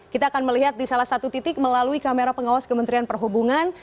kita akan melihat di salah satu titik melalui kamera pengawas kementerian perhubungan